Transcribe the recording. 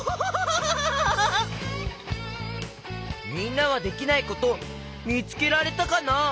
みんなはできないことみつけられたかな？